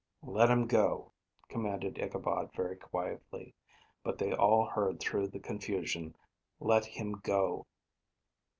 "Let him go," commanded Ichabod very quietly; but they all heard through the confusion. "Let him go."